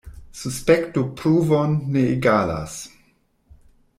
Suspekto pruvon ne egalas.